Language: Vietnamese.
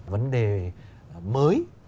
vấn đề mới